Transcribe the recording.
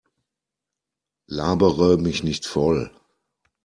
Labere mich nicht voll!